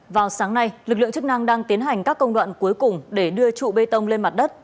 vào sáng nay lực lượng chức năng đang tiến hành các công đoạn cuối cùng để đưa trụ bê tông lên mặt đất